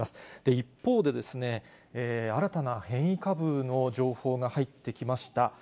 一方で、新たな変異株の情報が入ってきました。